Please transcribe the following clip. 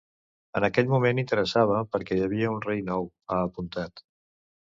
En aquell moment interessava perquè hi havia un rei nou, ha apuntat.